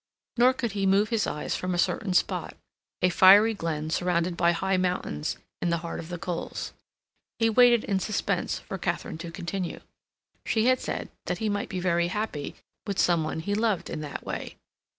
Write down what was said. Nor could he move his eyes from a certain spot, a fiery glen surrounded by high mountains, in the heart of the coals. He waited in suspense for Katharine to continue. She had said that he might be very happy with some one he loved in that way.